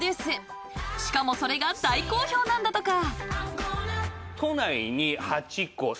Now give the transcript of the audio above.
［しかもそれが大好評なんだとか］